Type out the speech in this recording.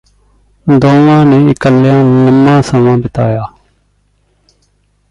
ਦੋਵਾਂ ਨੇ ਇਕੱਲਿਆਂ ਲੰਮਾ ਸਮਾਂ ਬਿਤਾਇਆ